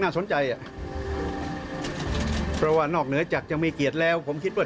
ประเทศเลยหมาธาชงนี้ก็คือเหาะไหร่เป็นเวรกมาก